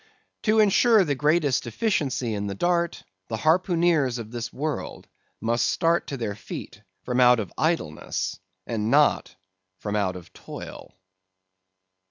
To insure the greatest efficiency in the dart, the harpooneers of this world must start to their feet from out of idleness, and not from out of toil.